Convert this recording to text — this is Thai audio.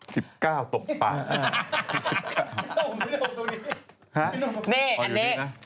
๑๙ตบปาก